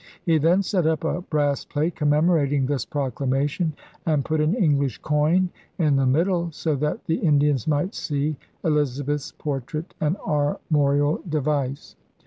He then set up a brass plate commemorating this proclamation, and put an English coin in the middle so that the Indians might see Elizabeth's portrait and armorial device.